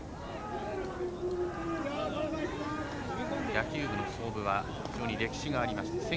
野球部の創部は非常に歴史があります。